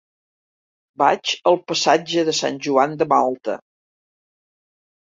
Vaig al passatge de Sant Joan de Malta.